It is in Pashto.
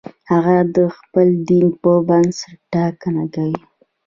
هغه د خپل دین پر بنسټ ټاکنه کوي.